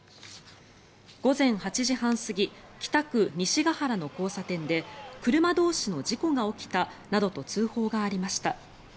午前８時半過ぎ北区西ケ原の交差点で車同士の事故が起きたなどと通報がありました。